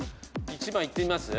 １番いってみます？